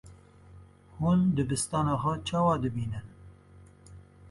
Hûn dibistana xwe çawa dibînin?